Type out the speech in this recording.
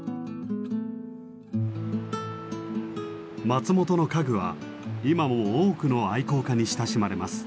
松本の家具は今も多くの愛好家に親しまれます。